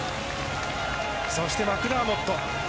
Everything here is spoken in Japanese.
そして、マクダーモット。